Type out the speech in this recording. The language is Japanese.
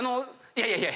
いやいや。